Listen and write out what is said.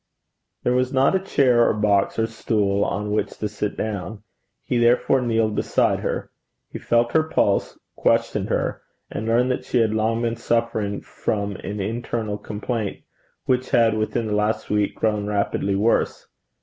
There was not a chair or box or stool on which to sit down. He therefore kneeled beside her. He felt her pulse, questioned her, and learned that she had long been suffering from an internal complaint, which had within the last week grown rapidly worse.